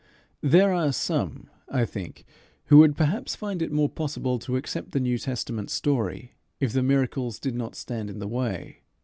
There are some, I think, who would perhaps find it more possible to accept the New Testament story if the miracles did not stand in the way.